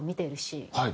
はい。